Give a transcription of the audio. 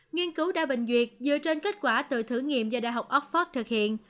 nghiên cứu đa bình duyệt dựa trên kết quả từ thử nghiệm do đại học oxford thực hiện